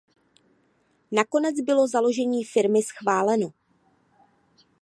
Nakonec bylo založení firmy schváleno.